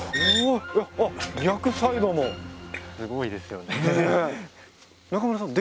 すごいですよね。